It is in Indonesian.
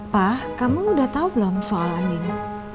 pa kamu udah tau belum soal andinnya